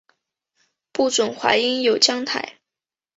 不及淮阴有将坛。